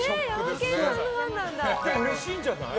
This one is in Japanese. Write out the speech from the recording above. うれしいんじゃない？